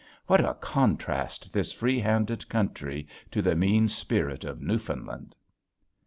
What a contrast this free handed country to the mean spirit of Newfoundland!